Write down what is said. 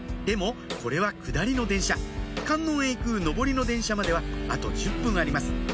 でもこれは下りの電車観音へ行く上りの電車まではあと１０分あります